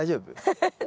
ハハハッ。